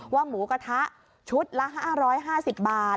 หมูกระทะชุดละ๕๕๐บาท